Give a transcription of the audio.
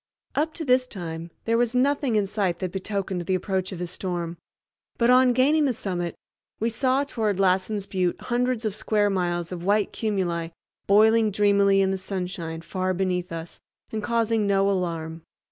Up to this time there was nothing in sight that betokened the approach of a storm; but on gaining the summit, we saw toward Lassen's Butte hundreds of square miles of white cumuli boiling dreamily in the sunshine far beneath us, and causing no alarm.